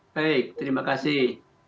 baik terima kasih